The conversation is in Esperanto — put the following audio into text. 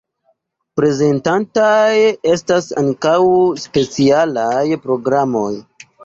Prezentataj estas ankaŭ specialaj programoj.